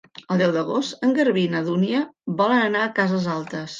El deu d'agost en Garbí i na Dúnia volen anar a Cases Altes.